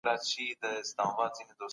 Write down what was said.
زده کوونکی زده کړه کوله او تعليم روان و.